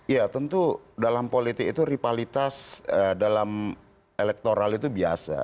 ya tentu dalam politik itu rivalitas dalam elektoral itu biasa